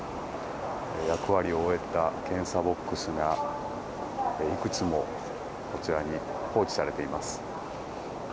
役割を終えた検査ボックスがいくつも、こちらに放置されています。